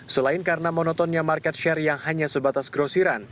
selain karena monotonnya market share yang hanya sebatas grosiran